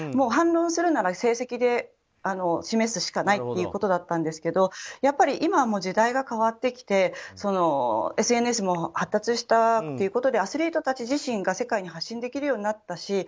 反論するなら成績で示すしかないということだったんですけどやっぱり今は時代が変わってきてＳＮＳも発達したということでアスリートたち自身が世界に発信できるようになったし